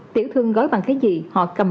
tiểu thương gói bằng cái gì họ cầm về cái đó